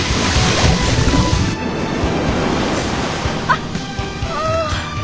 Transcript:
あっああ。